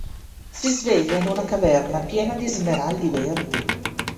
Si sveglia in una caverna piena di smeraldi verdi.